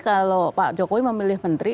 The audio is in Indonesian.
kalau pak jokowi memilih menteri